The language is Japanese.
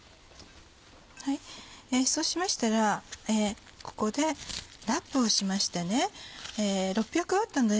そうしましたらここでラップをしましてね。